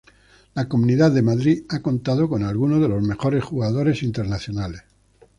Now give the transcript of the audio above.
La Comunidad de Madrid ha contado con algunos de los mejores jugadores internacionales.